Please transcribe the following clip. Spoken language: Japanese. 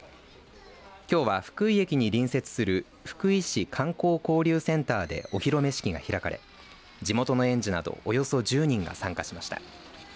きょうは福井駅に隣接する福井市観光交流センターでお披露目式が開かれ地元の園児などおよそ１０人が参加しました。